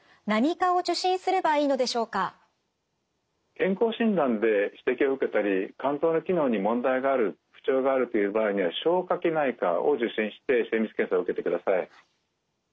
健康診断で指摘を受けたり肝臓の機能に問題がある不調があるという場合には消化器内科を受診して精密検査を受けてください。